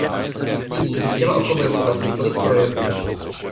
Nyní bych chtěla okomentovat několik projevů.